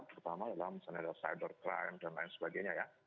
pertama adalah misalnya ada cyber crime dan lain sebagainya ya